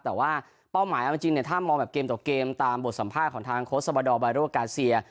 แต่ว่าเป้าหมายเอาจริงเนี่ยถ้ามองแบบเกมต่อเกมตามบทสัมภาษณ์ของทางโค้ชบาดอร์บายโรกาเซีย